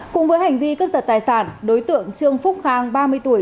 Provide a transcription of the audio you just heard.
cùng với hành vi cướp giật tài sản đối tượng trương phúc khang ba mươi tuổi